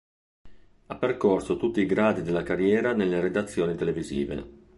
Ha percorso tutti i gradi della carriera nelle redazioni televisive.